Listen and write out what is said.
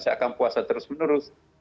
saya akan puasa terus menerus